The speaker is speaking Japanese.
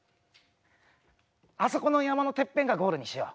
あそこの山のてっぺんがゴールにしよう。